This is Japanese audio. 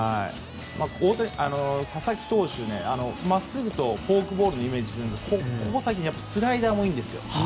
佐々木投手はまっすぐとフォークボールのイメージがあるんですがここ最近スライダーが多いです。